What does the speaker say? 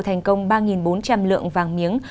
thành công ba bốn trăm linh lượng vàng miếng